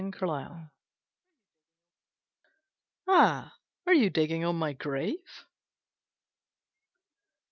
W X . Y Z Ah, Are You Digging on My Grave?